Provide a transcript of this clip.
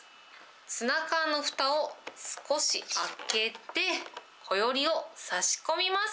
ツナ缶のふたを少し開けて、こよりを差し込みます。